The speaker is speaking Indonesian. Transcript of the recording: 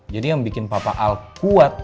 jadi yang bikin papa al kuat